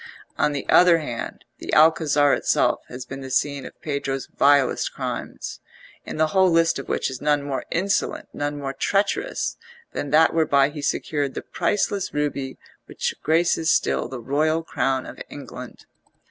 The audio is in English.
On the other hand, the Alcazar itself has been the scene of Pedro's vilest crimes, in the whole list of which is none more insolent, none more treacherous, than that whereby he secured the priceless ruby which graces still the royal crown of England.